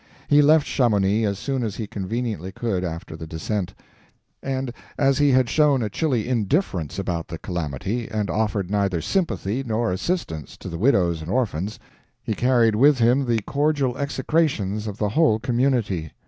He left Chamonix as soon as he conveniently could after the descent; and as he had shown a chilly indifference about the calamity, and offered neither sympathy nor assistance to the widows and orphans, he carried with him the cordial execrations of the whole community.